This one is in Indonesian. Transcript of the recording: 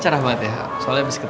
ah belum banget